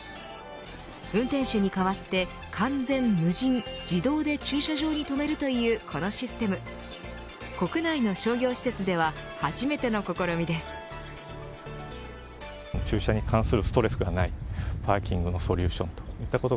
運転手に代わって完全無人自動で駐車場に止めるというこのシステム国内の商業施設では初めての試みです。